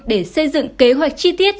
để xây dựng kế hoạch chi tiết